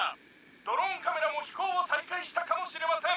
「ドローンカメラも飛行を再開したかもしれません」